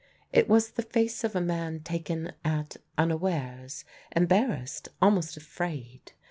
It was the face of a man taken at unawares, embarrassed, almost afraid.